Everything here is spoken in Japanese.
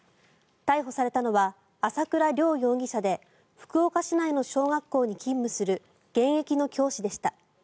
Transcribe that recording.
逮捕されたのは朝倉亮容疑者で福岡市内の小学校に勤務する現役の教師でした。